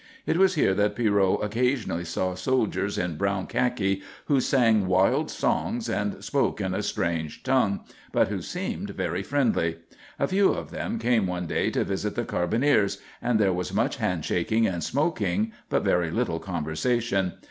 It was here that Pierrot occasionally saw soldiers in brown khaki who sang wild songs and spoke in a strange tongue but who seemed very friendly. A few of them came one day to visit the carbineers, and there was much handshaking and smoking, but very little conversation.